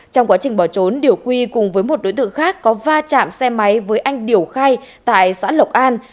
trong quá trình bỏ trốn điều quy cùng với một đối tượng khác có va chạm xe máy với anh điểu khay tại xã lộc an